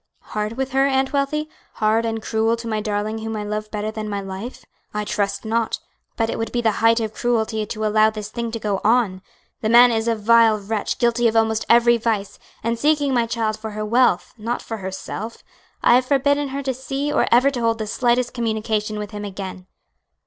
"Hard with her, Aunt Wealthy? hard and cruel to my darling whom I love better than my life? I trust not; but it would be the height of cruelty to allow this thing to go on. The man is a vile wretch guilty of almost every vice, and seeking my child for her wealth, not for herself. I have forbidden her to see or ever to hold the slightest communication with him again."